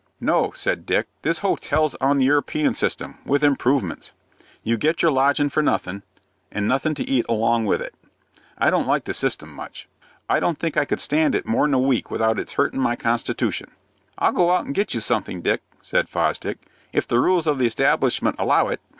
"No," said Dick; "this hotel's on the European system, with improvements. You get your lodgin' for nothing, and nothing to eat along with it. I don't like the system much. I don't think I could stand it more'n a week without its hurtin' my constitution." "I'll go out and get you something, Dick," said Fosdick, "if the rules of the establishment allow it.